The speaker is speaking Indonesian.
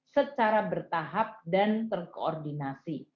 secara bertahap dan terkoordinasi